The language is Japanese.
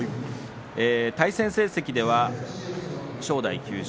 対戦成績では正代９勝